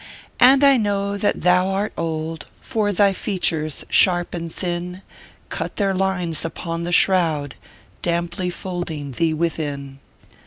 And I know that thou art old, For thy features, sharp, and thin, Cut their lines upon the shroud Damply folding thee within.